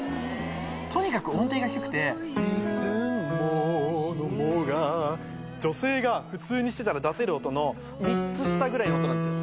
とにかく音程が低くて「いつも」の「も」が女性が普通にしてたら出せる音の３つ下ぐらいの音なんですよ。